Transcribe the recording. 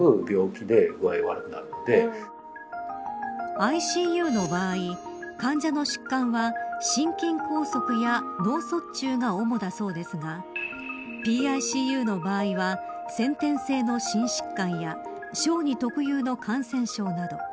ＩＣＵの場合患者の疾患は心筋梗塞や脳卒中が主だそうですがＰＩＣＵの場合は先天性の心疾患や小児特有の感染症など。